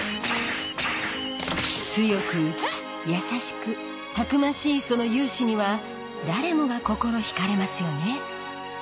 強く優しくたくましいその勇姿には誰もが心引かれますよね